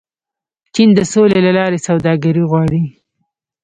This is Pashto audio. چین د سولې له لارې سوداګري غواړي.